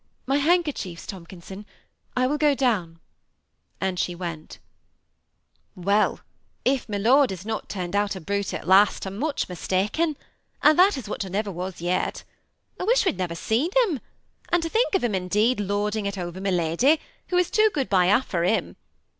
My handkerchief, Tomkin son, I win go down; " and she went Well, if my lord has not turned out a brute at last, I 'm much mistaken, and that is what I never was yet. I wish we'd never seen him; and to think«of him, indeed, lording it over.my lady, who is too good by half for him.